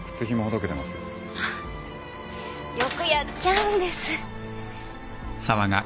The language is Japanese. よくやっちゃうんです。